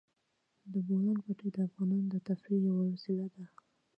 د بولان پټي د افغانانو د تفریح یوه وسیله ده.